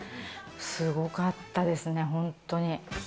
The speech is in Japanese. すごかったですね、本当に。